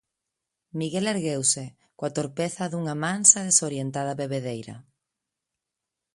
Miguel ergueuse, coa torpeza dunha mansa e desorientada bebedeira.